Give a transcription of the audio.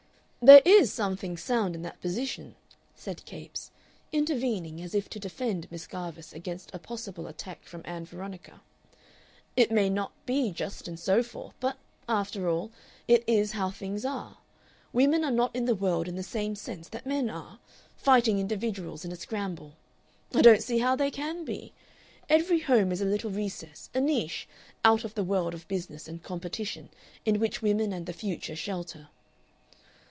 "There IS something sound in that position," said Capes, intervening as if to defend Miss Garvice against a possible attack from Ann Veronica. "It may not be just and so forth, but, after all, it is how things are. Women are not in the world in the same sense that men are fighting individuals in a scramble. I don't see how they can be. Every home is a little recess, a niche, out of the world of business and competition, in which women and the future shelter."